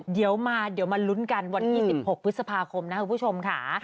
เดี๋ยวมาลุ้นกันวัน๒๖พฤษภาคมนะครับคุณผู้ชมค่ะ